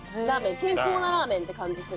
健康なラーメンって感じする。